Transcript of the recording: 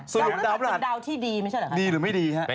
สุดท้ายดาวพุทธภาคดีหรือไม่ดีนะครับ